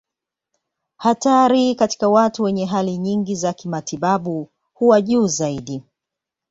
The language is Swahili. Hatari katika watu wenye hali nyingi za kimatibabu huwa juu zaidi.